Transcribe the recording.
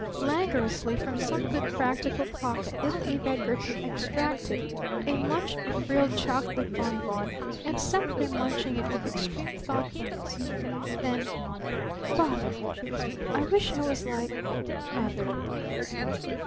Languorously from some good practical pocket little Eve Edgarton extracted a much be frilled chocolate bonbon and sat there munching it with extreme thoughtfulness. Then, "Father," she whispered, "I wish I was like Mother."